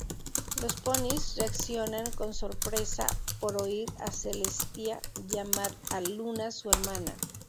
Las ponis reaccionan con sorpresa por oír a Celestia llamar a Luna su hermana.